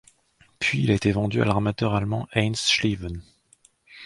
Puis il a été vendu à l'armateur allemand Heinz Schliewen.